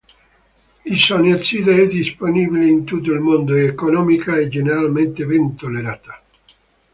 L'isoniazide è disponibile in tutto il mondo, è economica e generalmente ben tollerata.